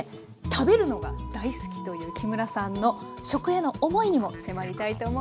食べるのが大好きという木村さんの食への思いにも迫りたいと思います。